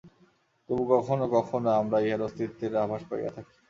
তবুও কখনও কখনও আমরা ইঁহার অস্তিত্বের আভাস পাইয়া থাকি।